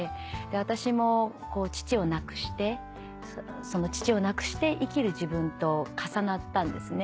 私も父を亡くして父を亡くして生きる自分と重なったんですね。